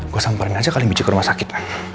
gue samperin aja kali mici ke rumah sakit